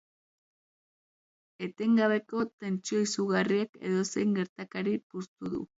Etengabeko tentsio izugarriak edozein gertakari puztu du.